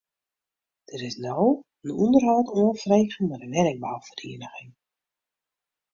Der is no in ûnderhâld oanfrege mei de wenningbouferieniging.